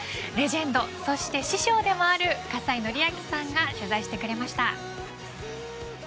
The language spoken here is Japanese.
レジェンドそして師匠でもある葛西紀明さんが取材してくれました。